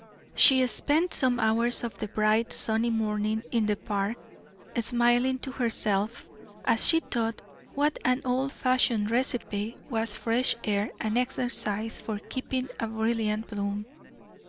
She spent some hours of the bright, sunny morning in the park, smiling to herself, as she thought what an old fashioned recipe was fresh air and exercise for keeping a brilliant bloom.